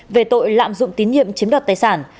về tội lạm dụng tín nhiệm chiếm đoạt tài sản